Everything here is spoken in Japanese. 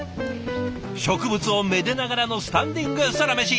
植物をめでながらのスタンディングソラメシ。